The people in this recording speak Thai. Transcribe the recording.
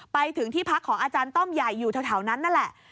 ไปถึงที่พักของอาจารย์ต้อมใหญ่อยู่แถวนั้นนั่นแหละ